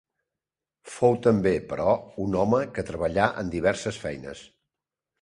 Fou també, però, un home que treballà en diverses feines.